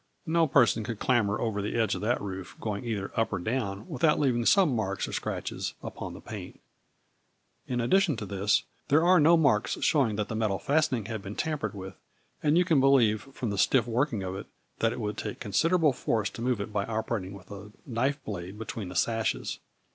No person could clamber over the edge of that roof, going either up or down, without leaving some marks or scratches upon the paint. In addition to this, there are no marks showing that the metal fast ening has been tampered with, and you can believe, from the stiff working of it, that it would take considerable force to move it by operating with a knife blade between the sashes.